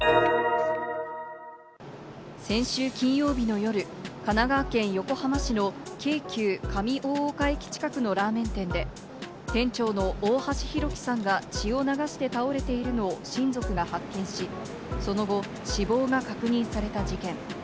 先週金曜日の夜、神奈川県横浜市の京急上大岡駅近くのラーメン店で、店長の大橋弘輝さんが血を流して倒れているのを親族が発見し、その後、死亡が確認された事件。